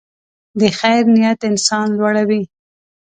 د خیر نیت انسان لوړوي.